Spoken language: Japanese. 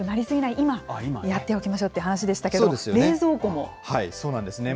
今、やっておきましょうという話でしたけれども、冷蔵庫も？